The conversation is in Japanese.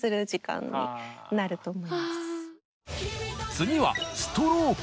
次は「ストローク」？